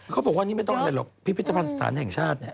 เขาบอกว่านี่ไม่ต้องอะไรหรอกพิพิธภัณฑ์สถานแห่งชาติเนี่ย